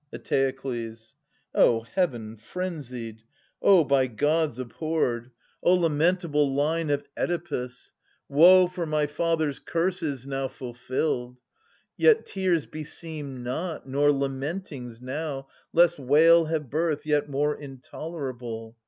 Eteokles. Oh heaven frenzied — oh by Gods abhorred !— 30 ^SCHYLUS. Oh lamentable line of Oedipus ! Woe for my father's cuf ses now fulfilled ! Yet tears beseem not, nor lamentings now, Lest wail have birth yet more intolerable.